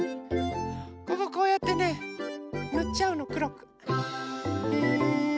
こここうやってねぬっちゃうのくろく。